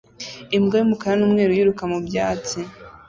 Imbwa y'umukara n'umweru yiruka mu byatsi